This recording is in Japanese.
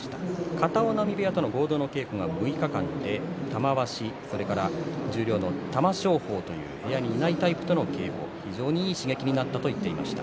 片男波部屋との合同稽古６日間で玉鷲は十両の玉正鳳と部屋にいないタイプの力士と稽古をし非常にいい刺激になったと話していました。